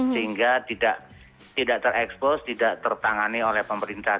sehingga tidak terekspos tidak tertangani oleh pemerintah